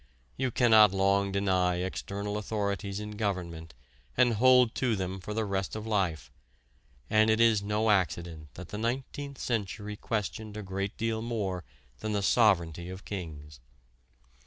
You cannot long deny external authorities in government and hold to them for the rest of life, and it is no accident that the nineteenth century questioned a great deal more than the sovereignty of kings.